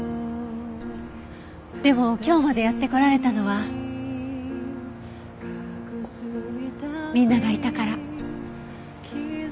でも今日までやってこられたのはみんながいたから。